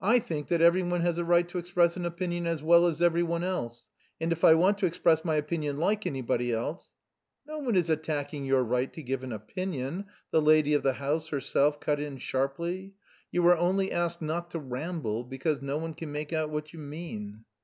"I think that every one has a right to express an opinion as well as every one else, and if I want to express my opinion like anybody else..." "No one is attacking your right to give an opinion," the lady of the house herself cut in sharply. "You were only asked not to ramble because no one can make out what you mean."